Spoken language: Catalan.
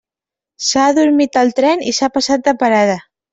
S'ha adormit al tren i s'ha passat de parada.